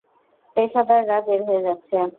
পেশাদাররা বের হয়ে যাচ্ছে!